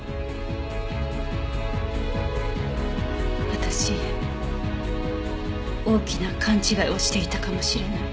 私大きな勘違いをしていたかもしれない。